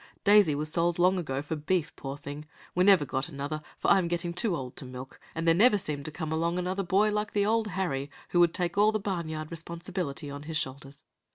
Daisy was sold long ago for beef, poor thing! We never got another, for I am getting too old to milk, and there never seemed to come along another boy like the old Harry, who would take all the barn yard responsibility on his shoulders.